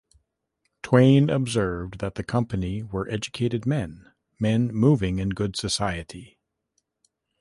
Twain observed that the company were educated men, men moving in good society...